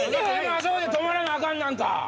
あそこで止まらなアカンなんか。